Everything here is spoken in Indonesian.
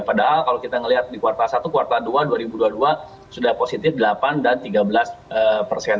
padahal kalau kita melihat di kuartal satu kuartal dua dua ribu dua puluh dua sudah positif delapan dan tiga belas persen